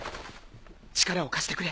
力を貸してくれ。